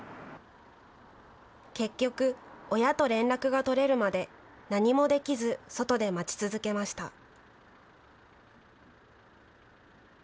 結局、親と連絡が取れるまで何もできず外で待ち続けました。